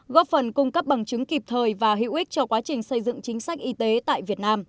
góp phần cung cấp bằng chứng kịp thời và hữu ích cho quá trình xây dựng chính sách y tế tại việt nam